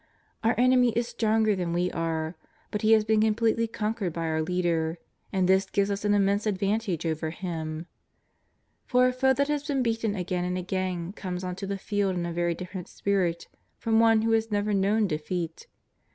Our enem.y is stronger than we are, but he has been completely conquered by our Leader, and this gives us an immense advantage over him. For a foe that has been beaten again and again comes on to the field in a very different spirit from one who has never known defeat.